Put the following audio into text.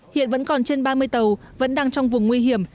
hiện vẫn còn trên ba mươi tàu vẫn đang trong vùng nguy hiểm